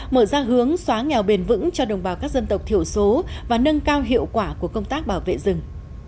mở ra hướng xóa nghèo bền vững cho đồng bào các dân tộc thiểu số và nâng cao hiệu quả của công tác bảo vệ rừng